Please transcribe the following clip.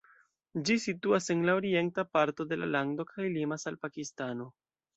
Ĝi situas en la orienta parto de la lando kaj limas al Pakistano.